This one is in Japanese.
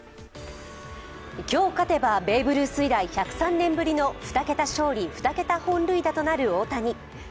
今日勝てばベーブ・ルース以来１０３年ぶりの２桁勝利・２桁本塁打となる大谷。